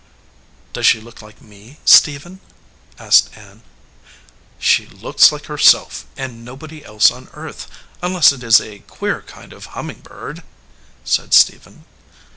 "Does she look like me, Stephen?" asked Ann. "She looks like herself, and nobody else on earth, unless it is a queer kind of humming bird," said Stephen.